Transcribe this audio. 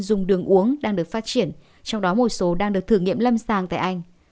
dùng đường uống đang được phát triển trong đó một số đang được thử nghiệm lâm sàng tại anh